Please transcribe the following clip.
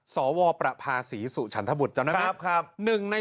สวประภาษีสุฉันธบุตรจำนั้นไหม